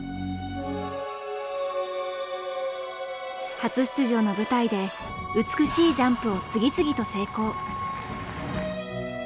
初出場の舞台で美しいジャンプを次々と成功。